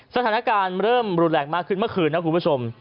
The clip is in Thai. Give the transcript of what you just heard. สถานการณ์เริ่มรุนแรงมากขึ้นเมื่อคืนนะคุณผู้ชม